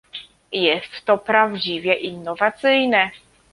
Jest to prawdziwie innowacyjne